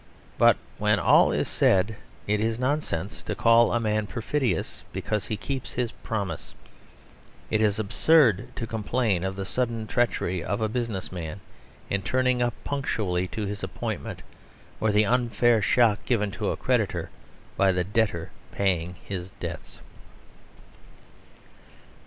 But, when all is said, it is nonsense to call a man perfidious because he keeps his promise. It is absurd to complain of the sudden treachery of a business man in turning up punctually to his appointment: or the unfair shock given to a creditor by the debtor paying his debts.